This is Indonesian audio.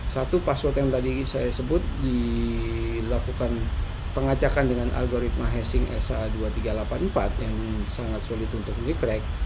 satu password yang tadi saya sebut dilakukan pengacakan dengan algoritma hasing sa dua ribu tiga ratus delapan puluh empat yang sangat sulit untuk diprek